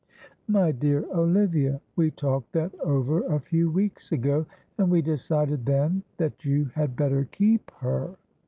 "My dear Olivia, we talked that over a few weeks ago, and we decided then that you had better keep her."